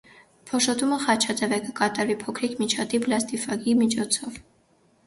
Փոշոտումը խաչաձեւ է, կը կատարուի փոքրիկ միջատի՝ բլաստիֆագի միջոցով։